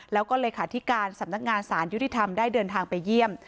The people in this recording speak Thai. แล้วก็เลขาธิการสำนักงานสารยุติธรรมได้เดินทางไปเยี่ยม